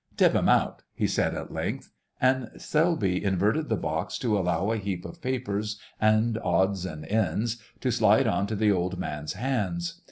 "Tip 'em out," he said at length, and Selby inverted the box to allow a heap of papers and odds and ends to slide on to the old man's hands.